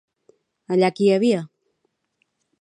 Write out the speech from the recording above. Allà qui hi havia?